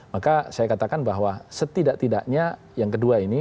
maka saya katakan bahwa setidak tidaknya yang kedua ini